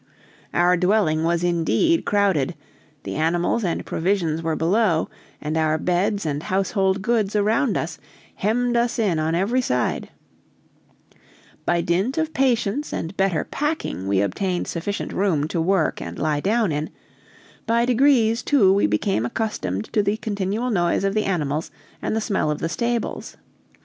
Our dwelling was indeed crowded: the animals and provisions were below, and our beds and household goods around us, hemmed us in on every side; by dint of patience and better packing, we obtained sufficient room to work and lie down in; by degrees, too, we became accustomed to the continual noise of the animals and the smell of the stables.